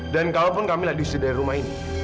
dan kalaupun kamila disediakan dari rumah ini